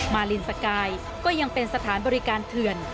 มาลินสกายก็ยังเป็นสถานบริการเถื่อน